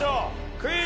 クイズ。